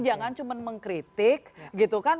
jangan cuma mengkritik gitu kan